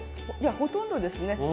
ほとんどですね。